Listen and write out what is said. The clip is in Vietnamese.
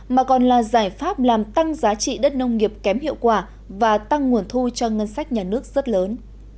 mà còn là giải pháp làm tăng giá trị đất nông nghiệp kém hiệu quả và tăng nguồn thu cho ngân sách nhà nước rất lớn